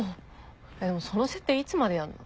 でもその設定いつまでやんの？